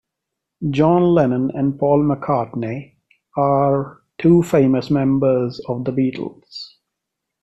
John Lennon and Paul McCartney are two famous members of the Beatles.